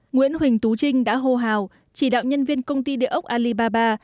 nguyễn huỳnh tú trinh đã hô hào chỉ đạo nhân viên công ty địa ốc alibaba